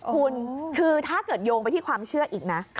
คุณคือถ้าเกิดโยงไปที่ความเชื่ออีกนะ